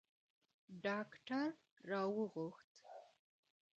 ډاکتر را وغوښت.